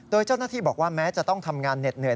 โดยเจ้าหน้าที่บอกว่าแม้จะต้องทำงานเหน็ดเหนื่อย